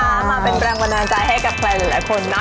มาเป็นแรงบันดาลใจให้กับใครหลายคนนะ